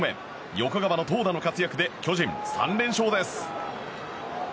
横川の投打の活躍で巨人、３連勝です。